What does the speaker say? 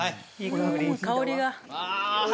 香りが。